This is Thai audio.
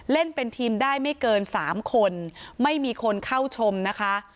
เล่นเป็นทีมได้ไม่เกิน๓คนไม่มีคนเข้าชมนะคะ